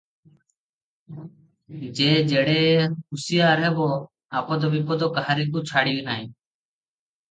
ଯେ ଯେଡ଼େ ହୁସିଆର ହେବ, ଆପଦ ବିପଦ କାହାରିକୁ ଛାଡ଼ିନାହିଁ ।